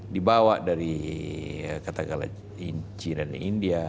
dibawa dari katakala cina dan india